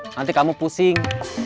nanti kamu pusing